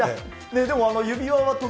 でも指輪は時